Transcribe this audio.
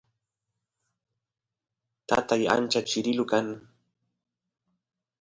tatay ancha chirilu kan